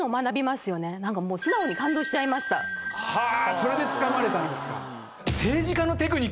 それでつかまれたんですか。